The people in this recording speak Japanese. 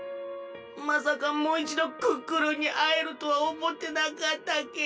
まさかもういちどクックルンにあえるとはおもってなかったけえ。